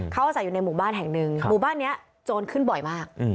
เขาอาศัยอยู่ในหมู่บ้านแห่งหนึ่งหมู่บ้านนี้โจรขึ้นบ่อยมาก